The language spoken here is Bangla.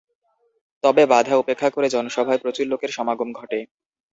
তবে বাধা উপেক্ষা করে জনসভায় প্রচুর লোকের সমাগম ঘটে।